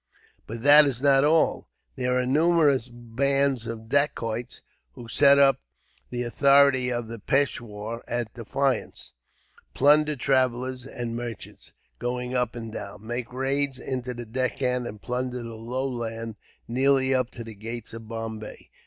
"But that is not all. There are numerous bands of Dacoits, who set the authority of the peishwar at defiance, plunder travellers and merchants going up and down, make raids into the Deccan, and plunder the low land nearly up to the gates of Bombay.